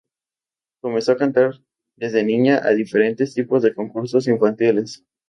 Comenzó a cantar desde niña en diferentes tipos de concursos infantiles.